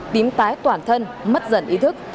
tím tái toàn thân mất dần ý thức